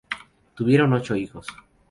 Tuvieron ocho hijos.